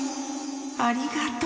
ありがとう。